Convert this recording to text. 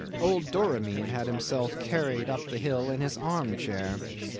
Old Doramin had himself carried up the hill in his arm chair.